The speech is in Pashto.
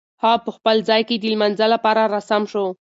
هغه په خپل ځای کې د لمانځه لپاره را سم شو.